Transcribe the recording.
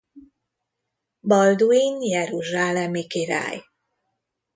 Balduin jeruzsálemi király.